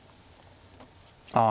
ああ。